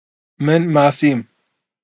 من ماسیم.